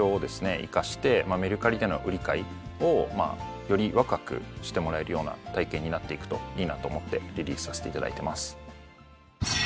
生かして「メルカリ」での売り買いをよりわくわくしてもらえるような体験になっていくといいなと思ってリリースさせていただいてます。